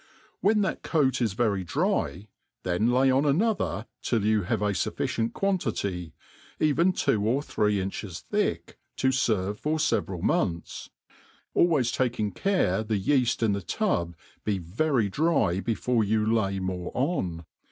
When that coat is very dry, then lay on another till you have a fuflicient quan«> tity, cviJn two or three inches thick, tafervp for feveral months, atwiatys taking care the yeaft in the tub be very dry before yoii lay ipore on.